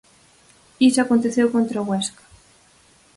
Iso aconteceu contra o Huesca.